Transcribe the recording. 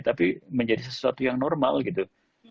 tapi menjadi sesuatu yang normal gitu